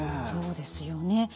そうですよね。